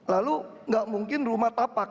lalu nggak mungkin rumah tapak